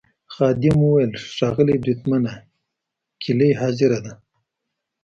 خادم وویل: ښاغلی بریدمنه کیلۍ حاضره ده.